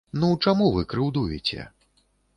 Ну чаму вы крыўдуеце?